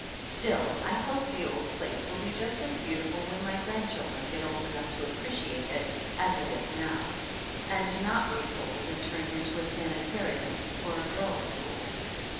Still, I hope the old place will be just as beau tiful when my grandchildren get old enough to appreciate it as it is now, and not be sold and turned into a sanitarium, or a girls' school.